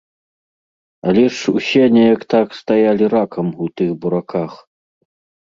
Але ж усе неяк так стаялі ракам у тых бураках.